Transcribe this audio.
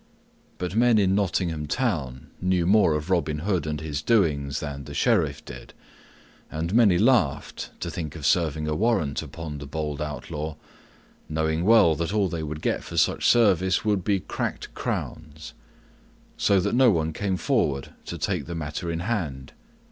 But men of Nottingham Town knew more of Robin Hood and his doings than the Sheriff did, and many laughed to think of serving a warrant upon the bold outlaw, knowing well that all they would get for such service would be cracked crowns; so that no one came forward to take the matter in hand.